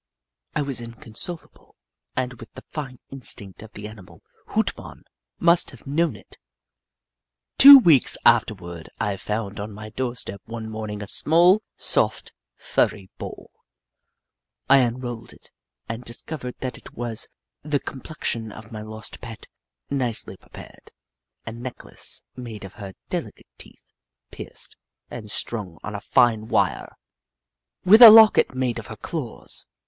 I was inconsolable, and with the fine instinct of the animal, Hoot Mon must have known it. Two weeks afterward I found on my door step one morning a small, soft, furry ball, I unrolled it and discovered that it was the com plexion of my lost pet, nicely prepared, a neck lace made of her delicate teeth, pierced and strung on a fine wire, with a locket made of her claws.